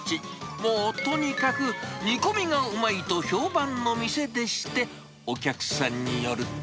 もうとにかく、煮込みがうまいと評判の店でして、お客さんによると。